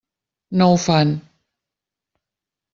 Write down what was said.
No ho fan.